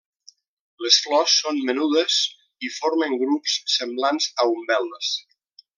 Les flors són menudes i formen grups semblants a umbel·les.